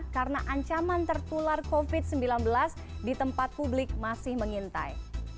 karena ancaman tertular covid sembilan belas di tempat publik masih mengintai